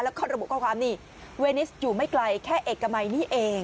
แล้วก็ระบุข้อความนี่เวนิสอยู่ไม่ไกลแค่เอกมัยนี่เอง